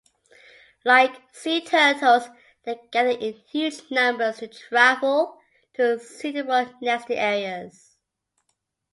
Like sea turtles they gather in huge numbers to travel to suitable nesting areas.